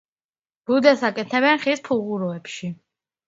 ბუდეს აკეთებენ ხის ფუღუროებში.